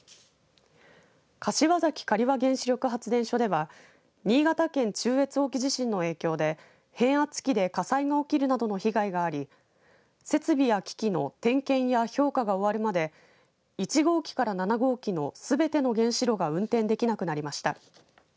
柏崎刈羽原子力発電所では新潟県中越沖地震の影響で変圧器で火災が起きるなどの被害があり設備や機器の点検や評価が終わるまで１号機から７号機のすべての原子炉が運転できなくなりました。